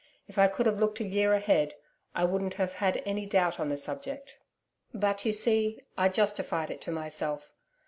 If I could have looked a year ahead, I wouldn't have had any doubt on the subject. But you see I justified it to myself.